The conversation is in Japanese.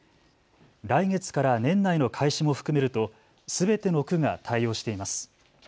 来月から年内の開始も含めるとすべての区が対応しています。